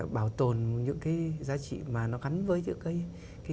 bảo tồn những cái giá trị mà nó gắn với những cái